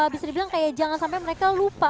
bisa dibilang kayak jangan sampai mereka lupa